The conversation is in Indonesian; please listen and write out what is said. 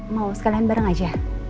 mau sekalian bareng aja